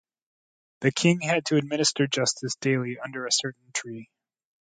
The king had to administer justice daily under a certain tree.